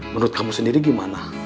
menurut kamu sendiri gimana